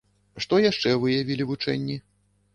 Што яшчэ выявілі вучэнні?